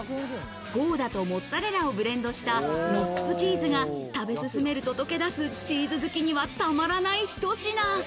ゴーダとモッツァレラをブレンドしたミックスチーズが食べ進めると溶け出す、チーズ好きには、たまらないひと品。